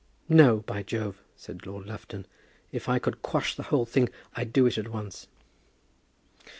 "No, by Jove," said Lord Lufton, "if I could quash the whole thing, I'd do it at once!"